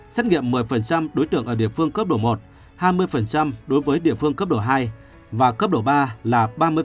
xét nghiệm một mươi đối tượng ở địa phương cấp độ một hai mươi đối với địa phương cấp độ hai và cấp độ ba là ba mươi